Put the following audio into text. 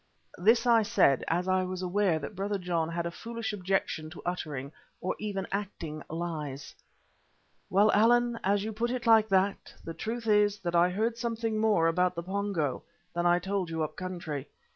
This I said as I was aware that Brother John had a foolish objection to uttering, or even acting lies. "Well, Allan, as you put it like that, the truth is that I heard something more about the Pongo than I told you up country.